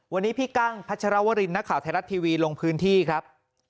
วันนี้พี่กั้งพัชรวรินนักข่าวไทยรัฐทีวีลงพื้นที่ครับ